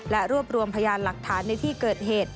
และรวบรวมพยานหลักฐานในที่เกิดเหตุ